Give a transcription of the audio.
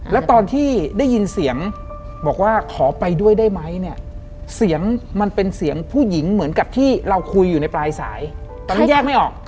แล้วตอนที่ได้ยินเสียงบอกว่าขอไปด้วยได้ไหมเนี่ยเสียงมันเป็นเสียงผู้หญิงเหมือนกับที่เราคุยอยู่ในปลายสายตอนนั้นแยกไม่ออก